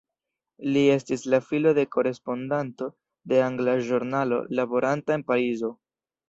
Li estis la filo de korespondanto de angla ĵurnalo laboranta en Parizo.